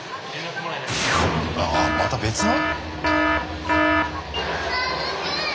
ああっまた別の？